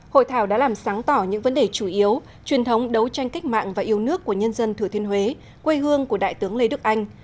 hội thảo đã làm sáng tỏ những vấn đề chủ yếu truyền thống đấu tranh cách mạng và yêu nước của nhân dân thừa thiên huế quê hương của đại tướng lê đức anh